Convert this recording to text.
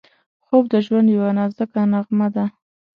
خوب د ژوند یوه نازکه نغمه ده